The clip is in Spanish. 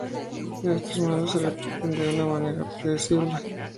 Estos elementos se repiten de una manera predecible.